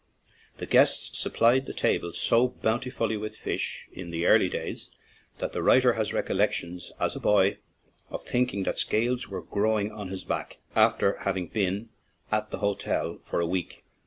The guests supplied the table so bountifully with fish in the early days that the writer has recollections, as a boy, of thinking that scales were growing on his back after having been at the hotel for a week.